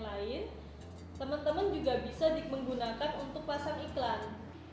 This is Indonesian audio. teman teman juga bisa digunakan untuk pasang iklan